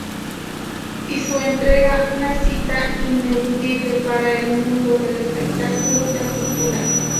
Y su entrega, una cita ineludible para el mundo del espectáculo y la cultura.